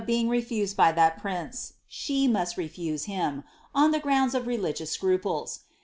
am being refused by llial prince, she most Tefuse him, on the gmaa^ of re ligious scruplea.